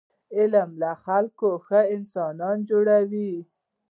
علم له خلکو ښه انسانان جوړوي.